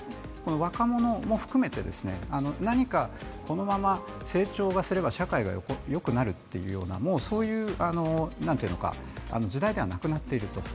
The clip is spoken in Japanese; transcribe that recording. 若者も含めて何かこのまま成長すれば社会がよくなるというようなもうそういう時代ではなくなっていると。